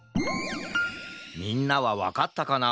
みんなはわかったかな？